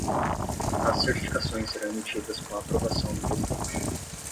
As certificações serão emitidas com a aprovação do Presidente.